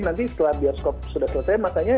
nanti setelah bioskop sudah selesai makanya